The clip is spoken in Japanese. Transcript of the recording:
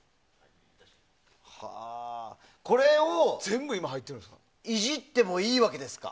これをいじってもいいわけですか？